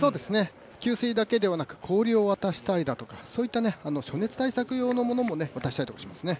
給水だけではなく氷を渡したりだとか暑熱対策用のものも渡したりとかしますね。